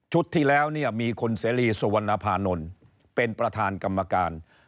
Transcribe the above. ชุดที่แล้วมีคุณเซรีสวนภานนท์เป็นประธานกรรมการ